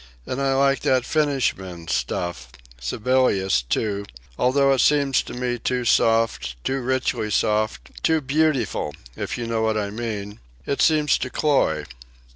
And I like that Finnish man's stuff, Sibelius, too, although it seems to me too soft, too richly soft, too beautiful, if you know what I mean. It seems to cloy."